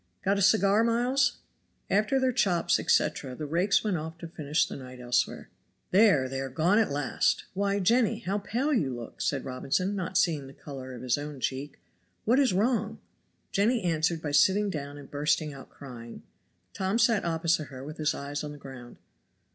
Got a cigar, Miles?" After their chops, etc., the rakes went off to finish the night elsewhere. "There, they are gone at last! Why, Jenny, how pale you look!" said Robinson, not seeing the color of his own cheek. "What is wrong?" Jenny answered by sitting down and bursting out crying. Tom sat opposite her with his eyes on the ground.